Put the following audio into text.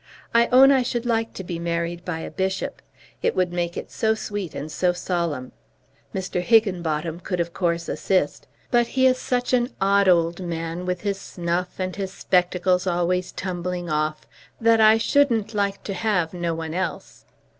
I own I should like to be married by a bishop. It would make it so sweet and so solemn. Mr. Higgenbottom could of course assist; but he is such an odd old man, with his snuff and his spectacles always tumbling off, that I shouldn't like to have no one else.